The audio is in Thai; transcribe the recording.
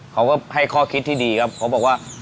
เขาก็ให้ข้อคิดที่ดีครับเขาบอกว่า